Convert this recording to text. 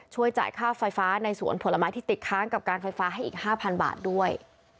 ช่วยจ่ายค่าไฟฟ้าในสวนผลไม้ที่ติดค้างกับการไฟฟ้าให้อีก๕๐๐บาทด้วย